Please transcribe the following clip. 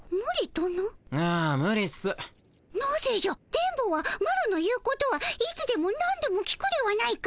電ボはマロの言うことはいつでもなんでも聞くではないか。